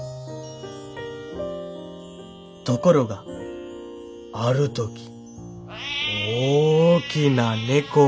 「ところがある時大きな猫が」。